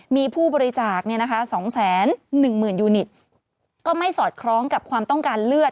มีผู้บริจาค๒๑๐๐๐ยูนิตก็ไม่สอดคล้องกับความต้องการเลือด